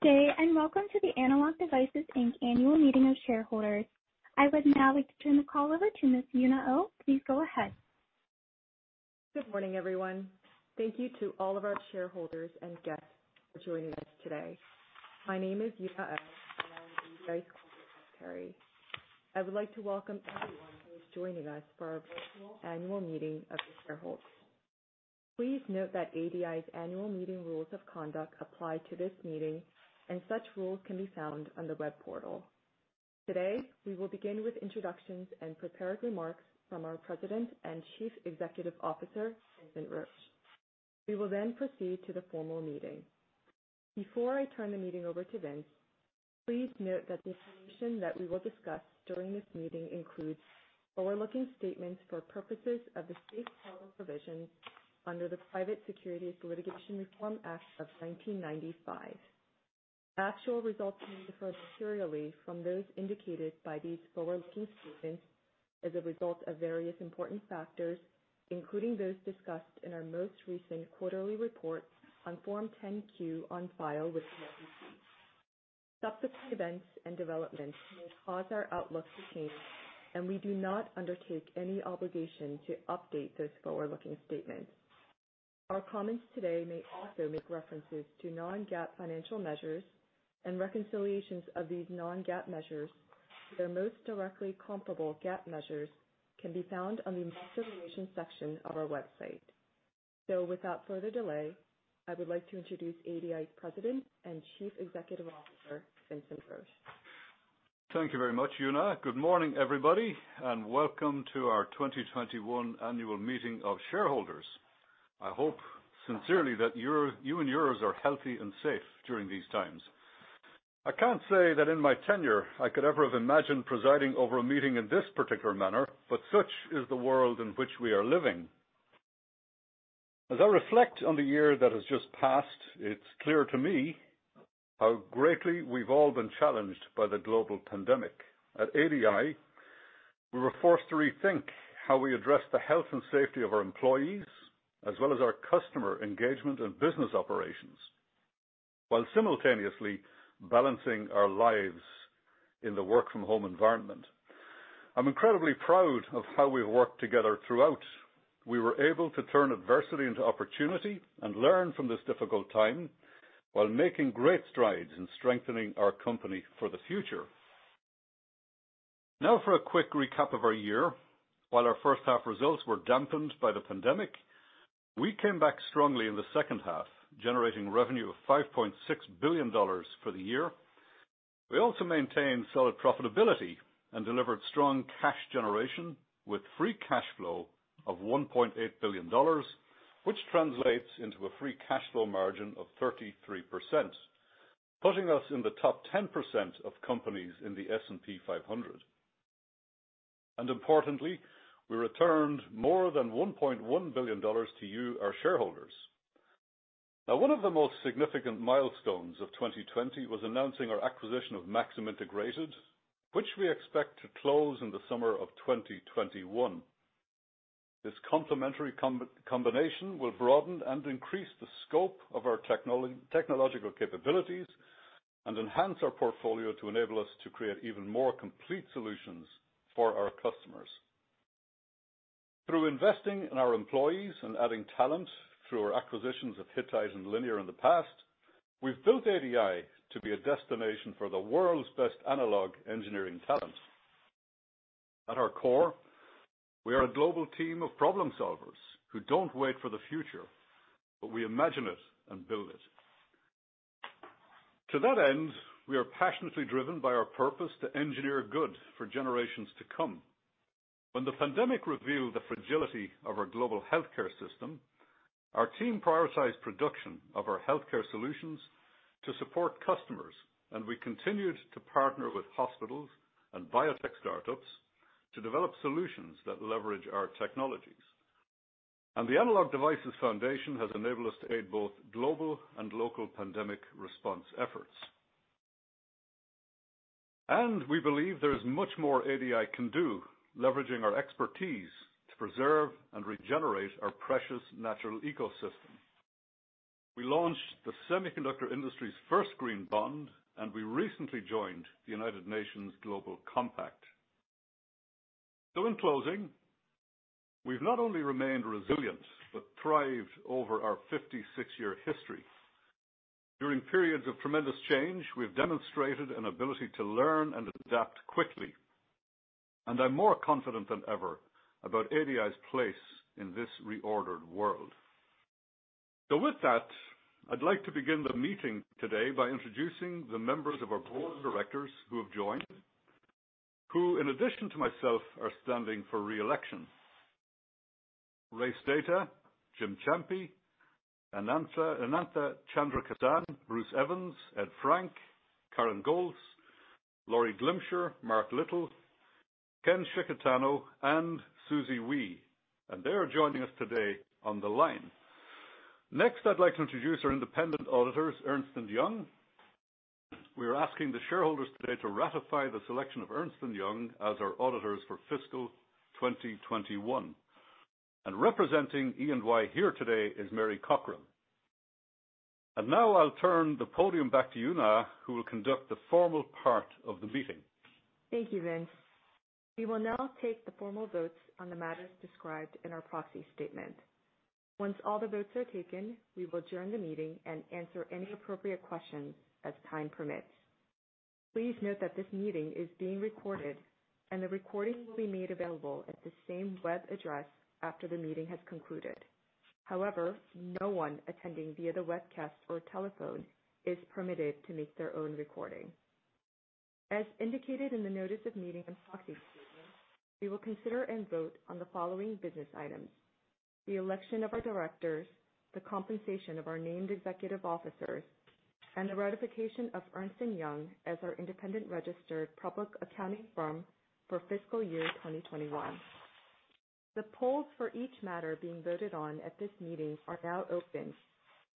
Good day, and welcome to the Analog Devices, Inc. Annual Meeting of Shareholders. I would now like to turn the call over to Ms. Yoon Ah Oh. Please go ahead. Good morning, everyone. Thank you to all of our shareholders and guests for joining us today. My name is Yoon Ah Oh, and I'm ADI's Corporate Secretary. I would like to welcome everyone who is joining us for our virtual annual meeting of the shareholders. Please note that ADI's annual meeting rules of conduct apply to this meeting, and such rules can be found on the web portal. Today, we will begin with introductions and prepared remarks from our President and Chief Executive Officer, Vincent Roche. We will then proceed to the formal meeting. Before I turn the meeting over to Vince, please note that the information that we will discuss during this meeting includes forward-looking statements for purposes of the safe harbor provision under the Private Securities Litigation Reform Act of 1995. Actual results may differ materially from those indicated by these forward-looking statements as a result of various important factors, including those discussed in our most recent quarterly report on Form 10-Q on file with the SEC. Subsequent events and developments may cause our outlook to change, and we do not undertake any obligation to update those forward-looking statements. Our comments today may also make references to non-GAAP financial measures, and reconciliations of these non-GAAP measures to their most directly comparable GAAP measures can be found on the investor relations section of our website. Without further delay, I would like to introduce ADI's President and Chief Executive Officer, Vincent Roche. Thank you very much, Yoon Ah. Good morning, everybody, and welcome to our 2021 Annual Meeting of Shareholders. I hope sincerely that you and yours are healthy and safe during these times. I can't say that in my tenure I could ever have imagined presiding over a meeting in this particular manner, but such is the world in which we are living. As I reflect on the year that has just passed, it's clear to me how greatly we've all been challenged by the global pandemic. At ADI, we were forced to rethink how we address the health and safety of our employees, as well as our customer engagement and business operations, while simultaneously balancing our lives in the work-from-home environment. I'm incredibly proud of how we've worked together throughout. We were able to turn adversity into opportunity and learn from this difficult time while making great strides in strengthening our company for the future. For a quick recap of our year. While our first half results were dampened by the pandemic, we came back strongly in the second half, generating revenue of $5.6 billion for the year. We also maintained solid profitability and delivered strong cash generation with free cash flow of $1.8 billion, which translates into a free cash flow margin of 33%, putting us in the top 10% of companies in the S&P 500. Importantly, we returned more than $1.1 billion to you, our shareholders. One of the most significant milestones of 2020 was announcing our acquisition of Maxim Integrated, which we expect to close in the summer of 2021. This complementary combination will broaden and increase the scope of our technological capabilities and enhance our portfolio to enable us to create even more complete solutions for our customers. Through investing in our employees and adding talent through our acquisitions of Hittite and Linear in the past, we've built ADI to be a destination for the world's best analog engineering talent. At our core, we are a global team of problem solvers who don't wait for the future, but we imagine it and build it. To that end, we are passionately driven by our purpose to engineer good for generations to come. When the pandemic revealed the fragility of our global healthcare system, our team prioritized production of our healthcare solutions to support customers, and we continued to partner with hospitals and biotech startups to develop solutions that leverage our technologies. The Analog Devices Foundation has enabled us to aid both global and local pandemic response efforts. We believe there is much more ADI can do, leveraging our expertise to preserve and regenerate our precious natural ecosystem. We launched the semiconductor industry's first green bond, and we recently joined the United Nations Global Compact. In closing, we've not only remained resilient but thrived over our 56-year history. During periods of tremendous change, we've demonstrated an ability to learn and adapt quickly, and I'm more confident than ever about ADI's place in this reordered world. With that, I'd like to begin the meeting today by introducing the members of our Board of Directors who have joined, who, in addition to myself, are standing for re-election. Ray Stata, Jim Champy, Anantha Chandrakasan, Bruce Evans, Ed Frank, Karen Golz, Laurie Glimcher, Mark Little, Ken Sicchitano, and Susie Wee. They are joining us today on the line. Next, I'd like to introduce our independent auditors, Ernst & Young. We are asking the shareholders today to ratify the selection of Ernst & Young as our auditors for fiscal 2021. Representing EY here today is Mary Cochran. Now I'll turn the podium back to you, Yoon Ah, who will conduct the formal part of the meeting. Thank you, Vince. We will now take the formal votes on the matters described in our proxy statement. Once all the votes are taken, we will adjourn the meeting and answer any appropriate questions as time permits. Please note that this meeting is being recorded, and the recording will be made available at the same web address after the meeting has concluded. However, no one attending via the webcast or telephone is permitted to make their own recording. As indicated in the notice of meeting and proxy statement, we will consider and vote on the following business items: the election of our directors, the compensation of our named executive officers, and the ratification of Ernst & Young as our independent registered public accounting firm for fiscal year 2021. The polls for each matter being voted on at this meeting are now open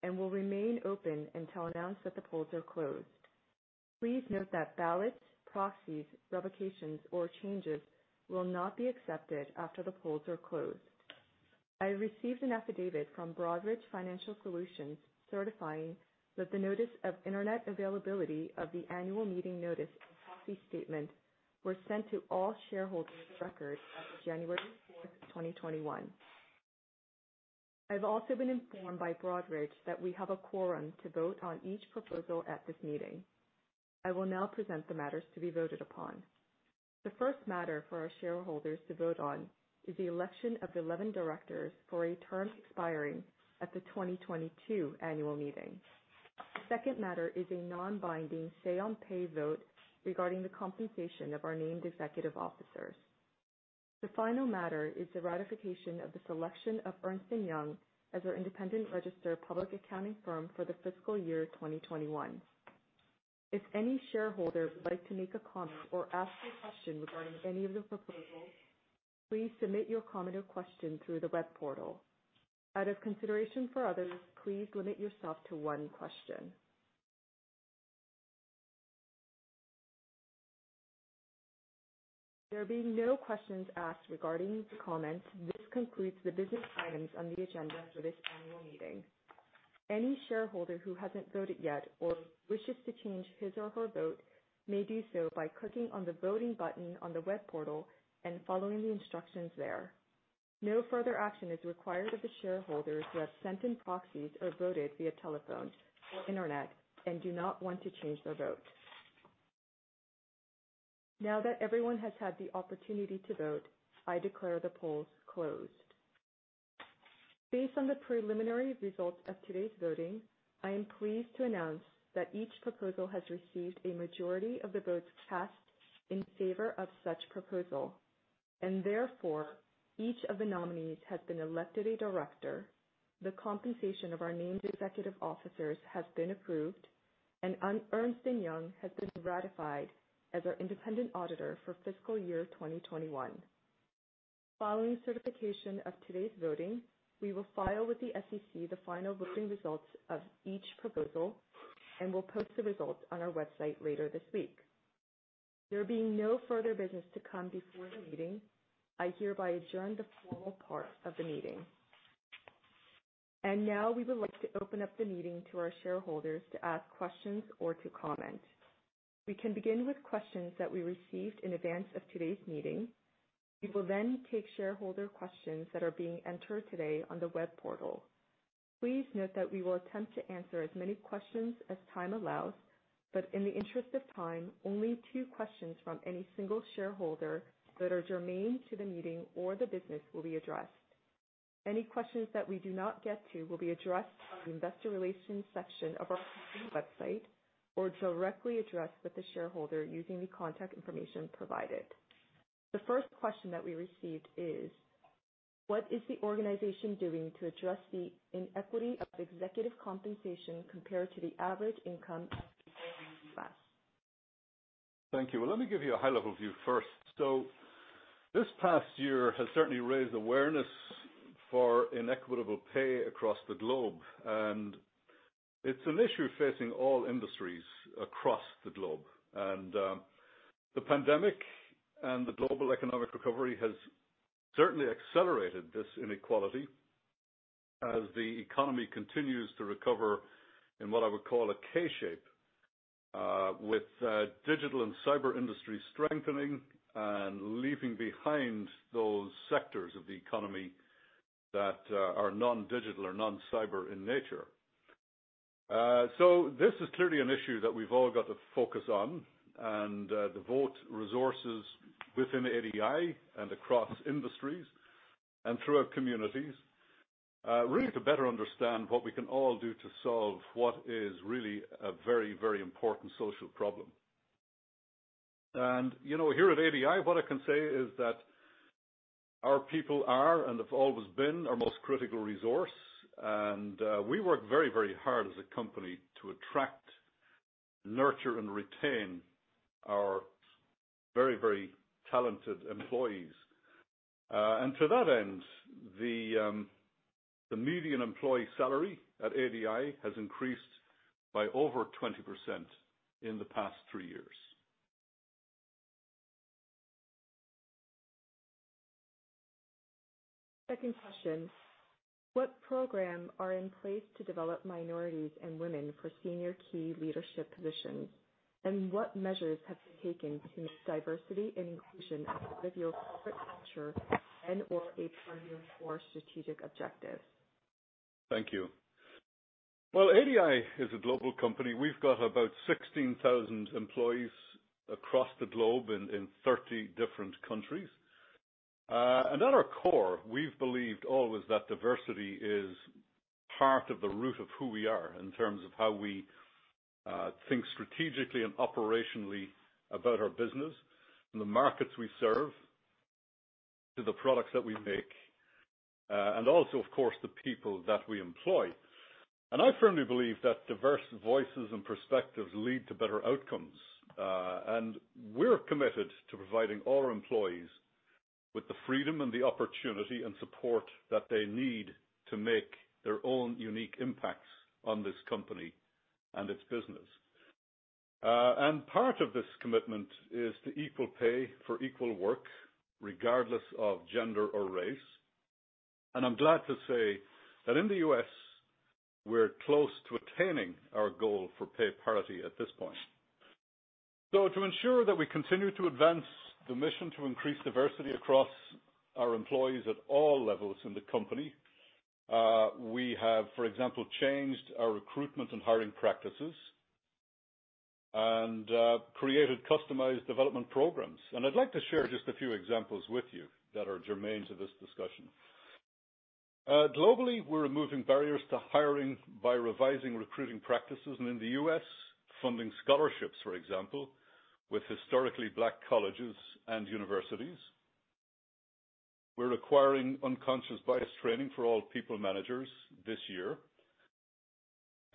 and will remain open until announced that the polls are closed. Please note that ballots, proxies, revocations, or changes will not be accepted after the polls are closed. I received an affidavit from Broadridge Financial Solutions certifying that the notice of internet availability of the annual meeting notice and proxy statement were sent to all shareholders of record as of January 4rth, 2021. I've also been informed by Broadridge that we have a quorum to vote on each proposal at this meeting. I will now present the matters to be voted upon. The first matter for our shareholders to vote on is the election of 11 directors for a term expiring at the 2022 Annual Meeting. The second matter is a non-binding say on pay vote regarding the compensation of our named executive officers. The final matter is the ratification of the selection of Ernst & Young as our independent registered public accounting firm for the fiscal year 2021. If any shareholder would like to make a comment or ask a question regarding any of the proposals, please submit your comment or question through the web portal. Out of consideration for others, please limit yourself to one question. There being no questions asked regarding comments, this concludes the business items on the agenda for this annual meeting. Any shareholder who hasn't voted yet or wishes to change his or her vote may do so by clicking on the voting button on the web portal and following the instructions there. No further action is required of the shareholders who have sent in proxies or voted via telephone or internet and do not want to change their vote. Now that everyone has had the opportunity to vote, I declare the polls closed. Based on the preliminary results of today's voting, I am pleased to announce that each proposal has received a majority of the votes cast in favor of such proposal. Therefore, each of the nominees has been elected a director, the compensation of our named executive officers has been approved, and Ernst & Young has been ratified as our independent auditor for fiscal year 2021. Following certification of today's voting, we will file with the SEC the final voting results of each proposal and will post the results on our website later this week. There being no further business to come before the meeting, I hereby adjourn the formal part of the meeting. Now we would like to open up the meeting to our shareholders to ask questions or to comment. We can begin with questions that we received in advance of today's meeting. We will then take shareholder questions that are being entered today on the web portal. Please note that we will attempt to answer as many questions as time allows, but in the interest of time, only two questions from any single shareholder that are germane to the meeting or the business will be addressed. Any questions that we do not get to will be addressed on the investor relations section of our company website or directly addressed with the shareholder using the contact information provided. The first question that we received is, what is the organization doing to address the inequity of executive compensation compared to the average income of the working class? Thank you. Well, let me give you a high-level view first. This past year has certainly raised awareness for inequitable pay across the globe, and it's an issue facing all industries across the globe. The pandemic and the global economic recovery has certainly accelerated this inequality as the economy continues to recover in what I would call a K-shape, with digital and cyber industry strengthening and leaving behind those sectors of the economy that are non-digital or non-cyber in nature. This is clearly an issue that we've all got to focus on and devote resources within ADI and across industries and throughout communities, really to better understand what we can all do to solve what is really a very important social problem. Here at ADI, what I can say is that our people are and have always been our most critical resource. We work very hard as a company to attract, nurture, and retain our very talented employees. To that end, the median employee salary at ADI has increased by over 20% in the past three years. Second question, what programs are in place to develop minorities and women for senior key leadership positions? What measures have been taken to make diversity and inclusion a part of your corporate culture and or a priority for strategic objectives? Thank you. Well, ADI is a global company. We've got about 16,000 employees across the globe in 30 different countries. At our core, we've believed always that diversity is part of the root of who we are in terms of how we think strategically and operationally about our business and the markets we serve, to the products that we make. Also, of course, the people that we employ. I firmly believe that diverse voices and perspectives lead to better outcomes. We're committed to providing all our employees with the freedom and the opportunity and support that they need to make their own unique impacts on this company and its business. Part of this commitment is to equal pay for equal work, regardless of gender or race. I'm glad to say that in the U.S., we're close to attaining our goal for pay parity at this point. To ensure that we continue to advance the mission to increase diversity across our employees at all levels in the company, we have, for example, changed our recruitment and hiring practices and created customized development programs. I'd like to share just a few examples with you that are germane to this discussion. Globally, we're removing barriers to hiring by revising recruiting practices and in the U.S., funding scholarships, for example, with historically Black colleges and universities. We're requiring unconscious bias training for all people managers this year.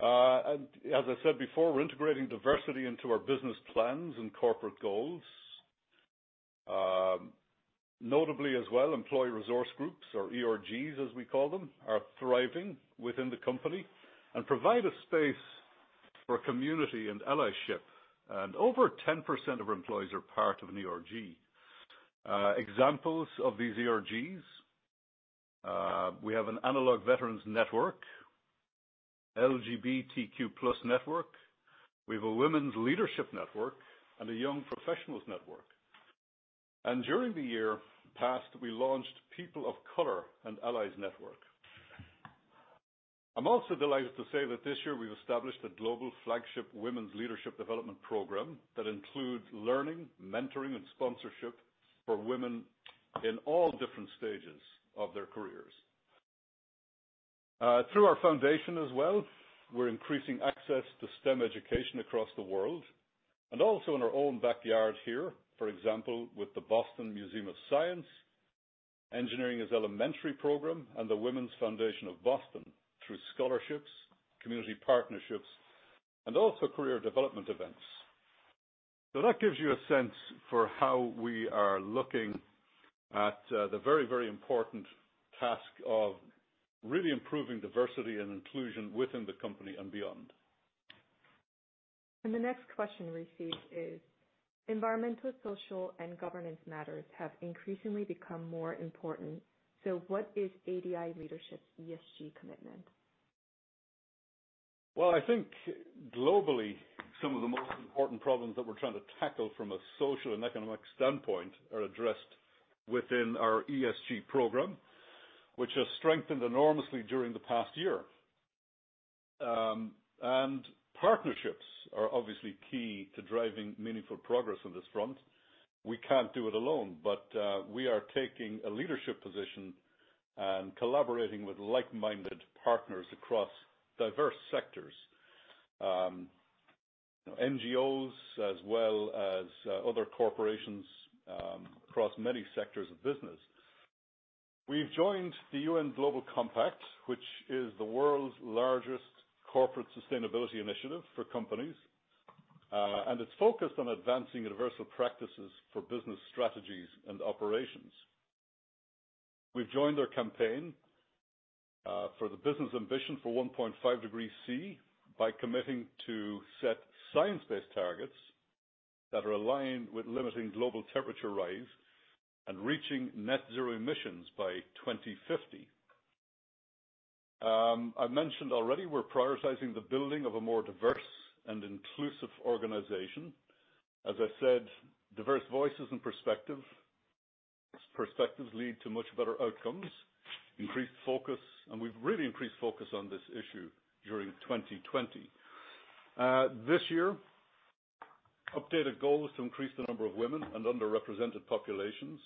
As I said before, we're integrating diversity into our business plans and corporate goals. Notably as well, employee resource groups, or ERGs as we call them, are thriving within the company and provide a space for community and allyship. Over 10% of employees are part of an ERG. Examples of these ERGs, we have an Analog Veterans Network, LGBTQ+ network. We've a Women's Leadership Network and a Young Professionals Network. During the year past, we launched People of Color and Allies Network. I'm also delighted to say that this year we've established a global flagship women's leadership development program that includes learning, mentoring, and sponsorship for women in all different stages of their careers. Through our foundation as well, we're increasing access to STEM education across the world, and also in our own backyard here, for example, with the Boston Museum of Science, Engineering is Elementary program and the Women's Foundation of Boston through scholarships, community partnerships, and also career development events. That gives you a sense for how we are looking at the very, very important task of really improving diversity and inclusion within the company and beyond. The next question received is, environmental, social, and governance matters have increasingly become more important. What is ADI leadership's ESG commitment? Well, I think globally, some of the most important problems that we're trying to tackle from a social and economic standpoint are addressed within our ESG program, which has strengthened enormously during the past year. Partnerships are obviously key to driving meaningful progress on this front. We can't do it alone, we are taking a leadership position and collaborating with like-minded partners across diverse sectors, NGOs as well as other corporations across many sectors of business. We've joined the UN Global Compact, which is the world's largest corporate sustainability initiative for companies, and it's focused on advancing universal practices for business strategies and operations. We've joined their campaign for the Business Ambition for 1.5°C by committing to set science-based targets that are aligned with limiting global temperature rise and reaching net zero emissions by 2050. I mentioned already, we're prioritizing the building of a more diverse and inclusive organization. As I said, diverse voices and perspectives lead to much better outcomes, increased focus. We've really increased focus on this issue during 2020. This year, updated goals to increase the number of women and underrepresented populations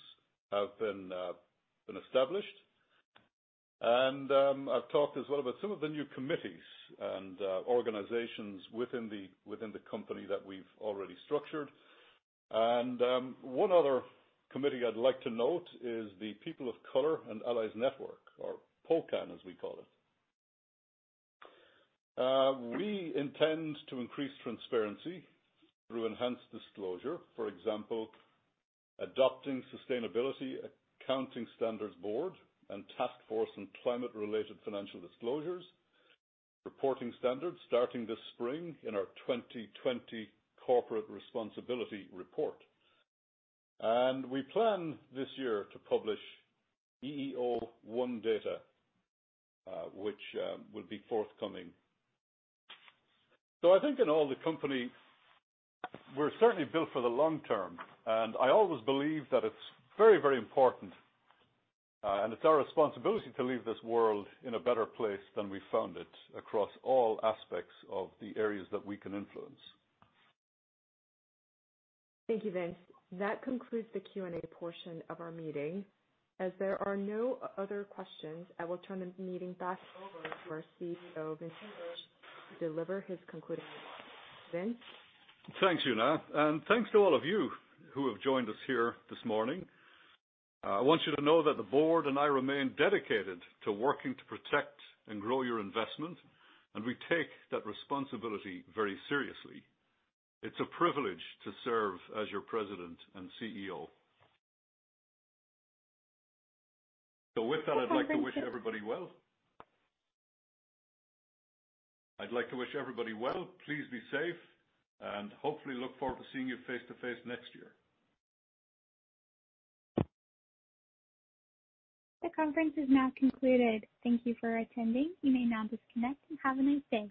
have been established. I've talked as well about some of the new committees and organizations within the company that we've already structured. One other committee I'd like to note is the People of Color and Allies Network, or POCAN as we call it. We intend to increase transparency through enhanced disclosure. For example, adopting Sustainability Accounting Standards Board and Task Force on Climate-related Financial Disclosures reporting standards starting this spring in our 2020 Corporate Responsibility Report. We plan this year to publish EEO-1 data, which will be forthcoming. I think in all the company, we're certainly built for the long term, and I always believe that it's very, very important, and it's our responsibility to leave this world in a better place than we found it across all aspects of the areas that we can influence. Thank you, Vince. That concludes the Q&A portion of our meeting. As there are no other questions, I will turn the meeting back over to our CEO, Vincent Roche, to deliver his concluding remarks. Vince? Thanks, Yoon Ah. Thanks to all of you who have joined us here this morning. I want you to know that the board and I remain dedicated to working to protect and grow your investment, and we take that responsibility very seriously. It's a privilege to serve as your President and CEO. With that, I'd like to wish everybody well. Please be safe, and hopefully look forward to seeing you face-to-face next year. The conference is now concluded. Thank you for attending. You may now disconnect and have a nice day.